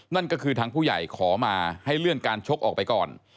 นั่นก็คือทางผู้ใหญ่ขอมาให้เลื่อนการชกออกไปก่อน